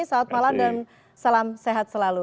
selamat malam dan salam sehat selalu